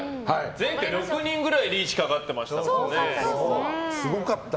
前回６人ぐらいリーチかかってましたよね。